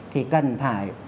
thì cần phải